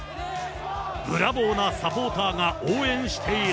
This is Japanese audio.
ブラボーなサポーターが応援している。